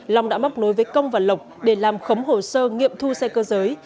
long đã móc nối với công và lộc để làm khống hồ sơ nghiệm thu xe cơ giới